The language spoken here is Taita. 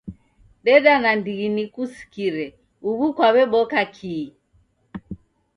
Deda nandighi nikusikire uw'u kwaweboa kii?